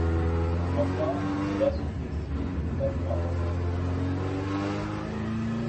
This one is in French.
Enfin les horaires sont flexibles et l'avion attend ses occupants.